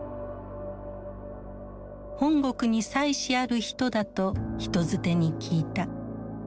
本国に妻子ある人だと人づてに聞いた。